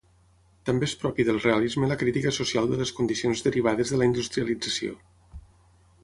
També és propi del realisme la crítica social de les condicions derivades de la industrialització.